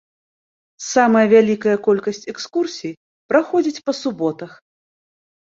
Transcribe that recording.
Самая вялікая колькасць экскурсій праходзіць па суботах.